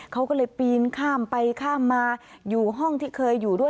เขาก็เลยปีนข้ามไปข้ามมาอยู่ห้องที่เคยอยู่ด้วย